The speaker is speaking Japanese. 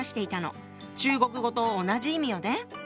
中国語と同じ意味よね。